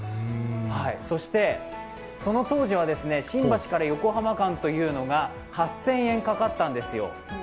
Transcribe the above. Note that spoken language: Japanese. そして、その当時は新橋から横浜間が８０００円かかったんですよ。